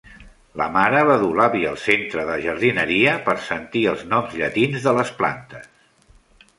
La mare va dur l'àvia al centre de jardineria per sentir els noms llatins de les plantes.